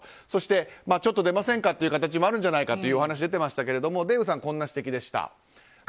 そして、ちょっと出ませんかという形もあるんじゃないかというお話も出てましたけどデーブさんはこんな指摘です。